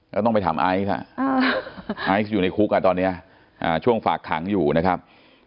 จะต้องไปถามไอซ์ไอซ์อยู่ในกรุกกันตอนนี้ฝากถังอยู่นะครับ